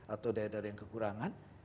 atau daerah daerah yang kekurangan